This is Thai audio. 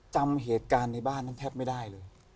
จำเหตุการณ์ในบ้านนั้นแทบไม่ได้เลย